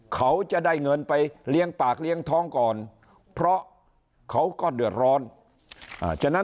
เขาจะได้เงินไปเลี้ยงปากเลี้ยงท้องก่อนเพราะเขาก็เดือดร้อนฉะนั้น